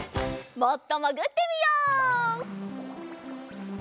もっともぐってみよう。